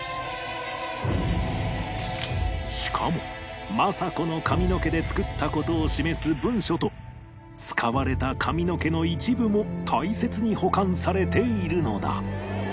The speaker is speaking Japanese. しかも政子の髪の毛で作った事を示す文書と使われた髪の毛の一部も大切に保管されているのだ